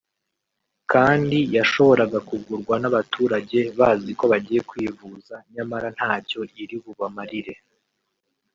kandi yashoboraga kugurwa n’abaturage bazi ko bagiye kwivuza nyamara ntacyo iri bubamarire